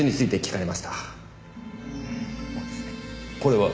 これは？